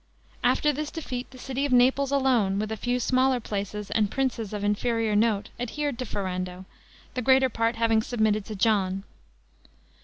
After this defeat, the city of Naples alone, with a few smaller places and princes of inferior note, adhered to Ferrando, the greater part having submitted to John.